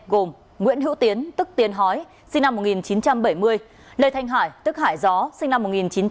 gồm nguyễn hữu tiến tức tiến hói sinh năm một nghìn chín trăm bảy mươi lê thanh hải tức hải gió sinh năm một nghìn chín trăm tám mươi